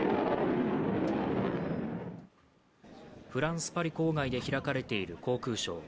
フランス・パリ郊外で開かれている航空ショー。